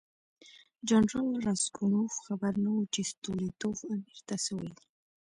جنرال راسګونوف خبر نه و چې ستولیتوف امیر ته څه ویلي.